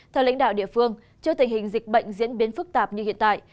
theo lãnh đạo địa phương trước tình hình dịch bệnh diễn biến phức tạp như hiện tại